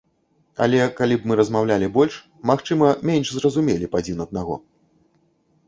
Але калі б мы размаўлялі больш, магчыма менш зразумелі б адзін аднаго.